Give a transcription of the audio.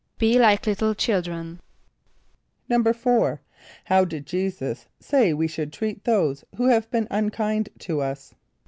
="Be like little children."= =4.= How did J[=e]´[s+]us say we should treat those who have been unkind to us?